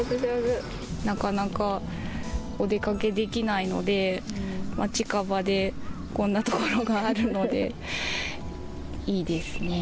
なかなかお出かけできないので、近場でこんな所があるので、いいですね。